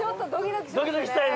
ドキドキしたよね！